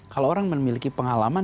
kalau orang memiliki pengalaman